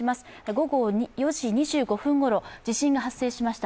午後４時２５分ごろ地震が発生しました。